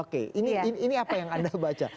oke ini apa yang anda baca